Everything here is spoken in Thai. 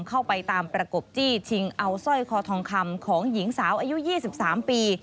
เข้าไปตามประกบจี้ชิงเอาสร้อยคอทองคำของหญิงสาวอายุ๒๓ปี